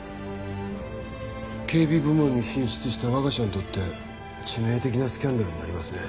警備部門に進出した我が社にとって致命的なスキャンダルになりますね。